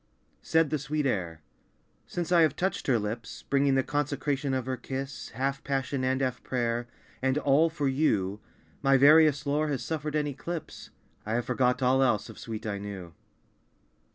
Said the sweet air "Since I have touched her lips, Bringing the consecration of her kiss, Half passion and half prayer, And all for you, My various lore has suffered an eclipse. I have forgot all else of sweet I knew."